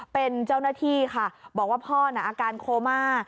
เป็นเจ้าหน้าที่ค่ะบอกว่าพ่อน่ะอาการโคม่า